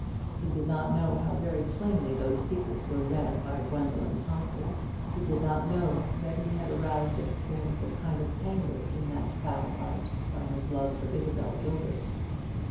He did not know how very plainly those secrets were read by Gwendoline Pomphrey. He did not know that he had aroused a scornful kind of anger in that proud heart by his love for Isabel Gilbert.